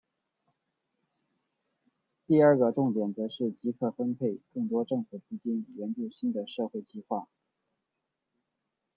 第二个重点则是即刻分配更多政府资金援助新的社会计画。